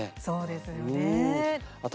そうですよね。